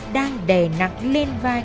đang đè nặng lên vai